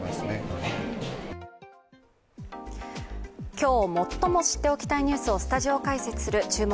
今日、最も知っておきたいニュースをスタジオ解説する「注目！